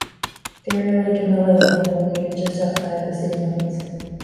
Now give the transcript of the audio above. Fairy Lake and Lily Lake are located just outside of the city limits.